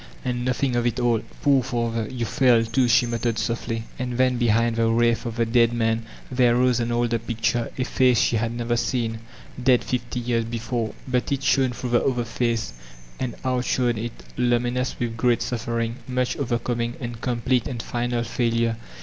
and nothing of it all I — ^'Toor father, yoo failed too/' she muttered softly. To SnivB AND Fail 449 And then behind the wraith of the dead man there rote an older picturei a face she had never seen, dead fifty years before; bnt it shone through the other face, and outshone it» luminous with great suffering, much overcoming, and complete and final failure.